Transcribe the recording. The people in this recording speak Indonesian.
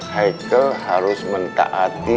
haikal harus mentaati